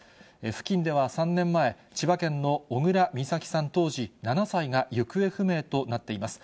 付近では３年前、千葉県の小倉美咲さん当時７歳が行方不明となっています。